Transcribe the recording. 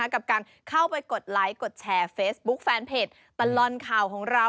กับการเข้าไปกดไลค์กดแชร์เฟซบุ๊คแฟนเพจตลอดข่าวของเรา